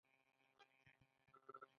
لازمې لارښوونې ورته کېږي.